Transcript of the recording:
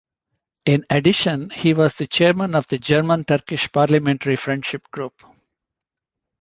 In addition, he was the chairman of the German-Turkish Parliamentary Friendship Group.